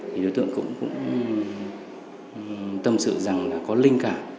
thì đối tượng cũng tâm sự rằng là có linh cảm